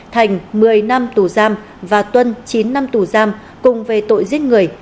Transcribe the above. thành một mươi năm tù giam và tuân chín năm tù giam cùng về tội giết người